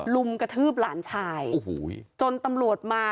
ลุมกระทืบหลานชายโอ้โหจนตำรวจมา